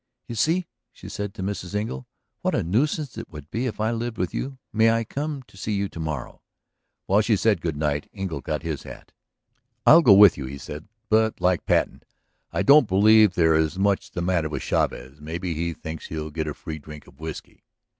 "You see," she said to Mrs. Engle, "what a nuisance it would be if I lived with you? May I come to see you to morrow?" While she said good night Engle got his hat. "I'll go with you," he said. "But, like Patten, I don't believe there is much the matter with Chavez. Maybe he thinks he'll get a free drink of whiskey."